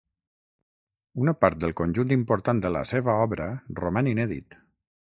Una part del conjunt important de la seva obra roman inèdit.